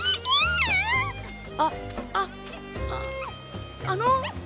あああの！